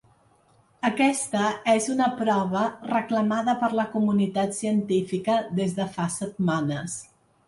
Aquesta és una prova reclamada per la comunitat científica des de fa setmanes.